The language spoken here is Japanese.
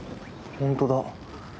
ほんとだ。